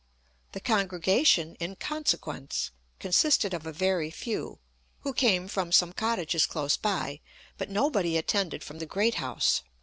The congregation, in consequence, consisted of a very few, who came from some cottages close by, but nobody attended from the great house.